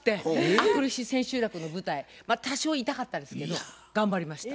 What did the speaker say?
明くる日千秋楽の舞台多少痛かったですけど頑張りました。